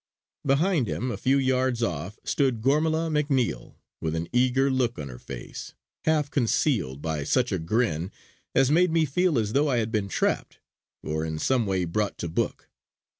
Behind him, a few yards off, stood Gormala MacNiel with an eager look on her face, half concealed by such a grin as made me feel as though I had been trapped, or in some way brought to book.